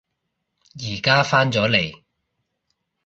而家返咗嚟